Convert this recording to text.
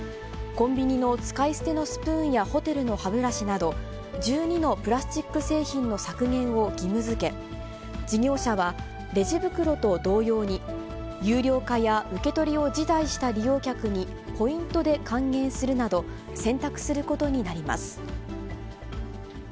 コンビニの使い捨てのスプーンやホテルの歯ブラシなど、１２のプラスチック製品の削減を義務づけ、事業者はレジ袋と同様に、有料化や受け取りを辞退した利用客に、ポイントで還元するなど、選択することになります。